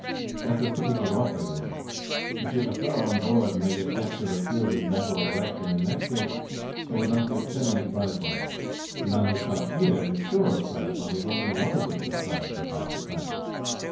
That's a pretty good offer, you know. You see, a fellow on board may get captured or killed in battle or wrecked, and in that case there would not be a penny of prize money. The man who stops here is sure of prize money if only one of the three craft get back to France.